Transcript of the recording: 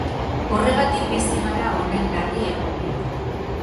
Horregatik bizi gara honen larri egunero.